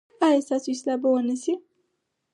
ایا ستاسو اصلاح به و نه شي؟